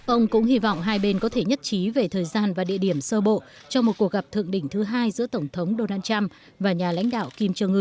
ông cũng hy vọng hai bên có thể nhất trí về thời gian và địa điểm sơ bộ cho một cuộc gặp thượng đỉnh thứ hai giữa tổng thống donald trump và nhà lãnh đạo kim trương ư